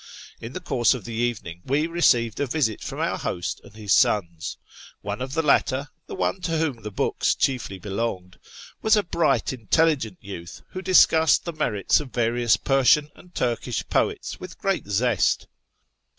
In the course of the evening we received a visit from our host and his sons. One of the latter — the one to whom the books chiefly belonged — was a bright intelligent youth who discussed the merits of various Persian and Turkish poets with great zest.